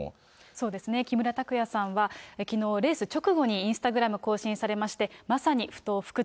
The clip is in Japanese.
そうですね、木村拓哉さんはきのう、レース直後にインスタグラム更新されまして、まさに不撓不屈！